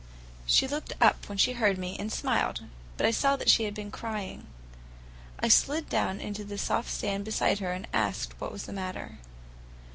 She looked up when she heard me, and smiled, but I saw that she had been crying. I slid down into the soft sand beside her and asked her what was the matter.